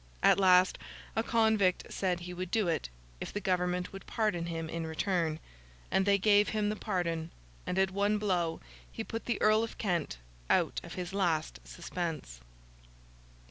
At last, a convict said he would do it, if the government would pardon him in return; and they gave him the pardon; and at one blow he put the Earl of Kent out of his last suspense.